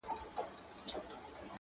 ستا د ښکلا په تصور کي یې تصویر ویده دی,